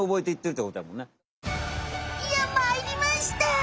いやまいりました。